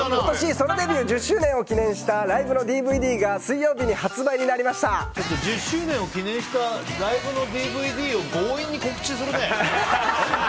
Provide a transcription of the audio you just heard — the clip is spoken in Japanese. ソロデビュー１０周年を記念したライブのＤＶＤが１０周年を記念したライブのＤＶＤを強引に告知するね！